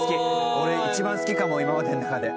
俺一番好きかも今までの中で。